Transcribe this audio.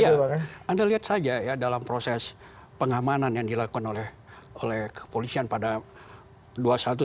iya anda lihat saja ya dalam proses pengamanan yang dilakukan oleh kepolisian pada dua puluh satu sampai dua puluh dua itu